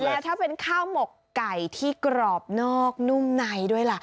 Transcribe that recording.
แล้วถ้าเป็นข้าวหมกไก่ที่กรอบนอกนุ่มในด้วยล่ะ